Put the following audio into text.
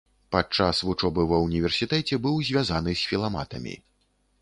Падчас вучобы ва ўніверсітэце быў звязаны з філаматамі.